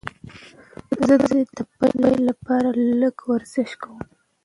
زه د ورځې د پیل لپاره لږه ورزش کوم.